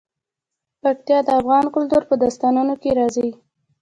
پکتیا د افغان کلتور په داستانونو کې راځي.